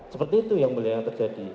seperti itu yang mulia yang terjadi